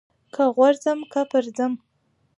که غورځم که پرځم.